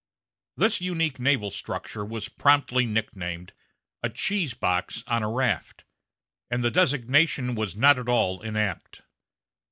This unique naval structure was promptly nicknamed "a cheese box on a raft," and the designation was not at all inapt.